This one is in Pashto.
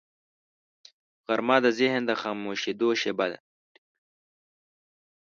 غرمه د ذهن د خاموشیدو شیبه ده